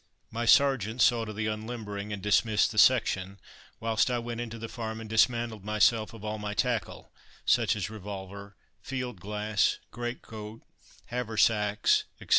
My sergeant saw to the unlimbering, and dismissed the section, whilst I went into the farm and dismantled myself of all my tackle, such as revolver, field glass, greatcoat, haversacks, etc.